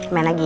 main lagi ya